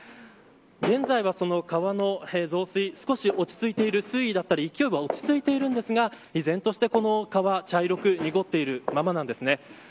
現在はその川の増水、少し落ち着いている水位だったり勢いは落ち着いていますが依然として、この川茶色く濁っているままなんですね。